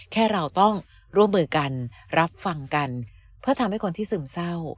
แค่เราต้องร่วมมือกันรับฟังกันเพื่อทำให้คนที่ซึมเศร้า